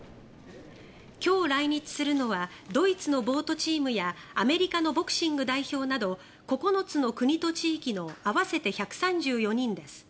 今日来日するのはドイツのボートチームやアメリカのボクシング代表など９つの国と地域の合わせて１３４人です。